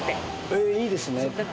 えっいいですね。